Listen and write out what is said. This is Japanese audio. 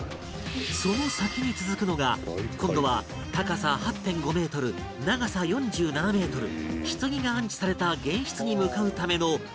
その先に続くのが今度は高さ ８．５ メートル長さ４７メートル棺が安置された玄室に向かうための大回廊